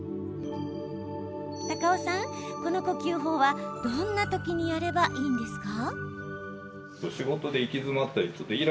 高尾さん、この呼吸法はどんな時にやればいいんですか？